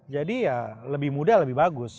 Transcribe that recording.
jadi ya lebih muda lebih bagus